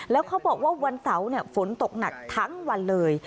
แล้วเขาบอกว่าวันเสาร์ฝนตกหนักทั้งวันเลย